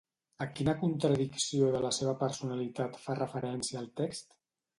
A quina contradicció de la seva personalitat fa referència el text?